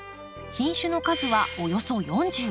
品種の数はおよそ４０。